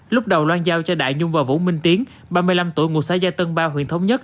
lúc đầu loan giao cho đại nhung và vũ minh tiến ba mươi năm tuổi ngụ xã gia tân ba huyện thống nhất